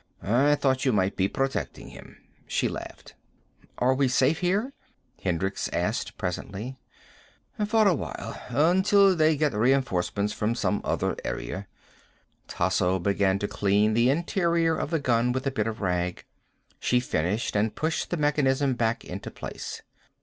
I thought you might be protecting him." She laughed. "Are we safe here?" Hendricks asked presently. "For awhile. Until they get reinforcements from some other area." Tasso began to clean the interior of the gun with a bit of rag. She finished and pushed the mechanism back into place.